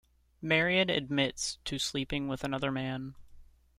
Marian admits to sleeping with another man.